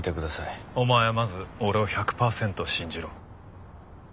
お前はまず俺を１００パーセント信じろ。